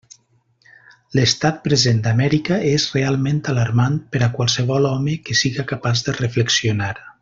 L'estat present d'Amèrica és realment alarmant per a qualsevol home que siga capaç de reflexionar.